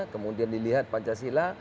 kemudian dilihat pancasila